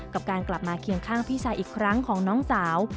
กับการกลับมาเคียงข้างพี่ชายอีกครั้งของน้องสาว